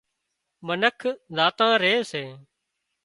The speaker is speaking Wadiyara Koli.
منک زاتان ري سي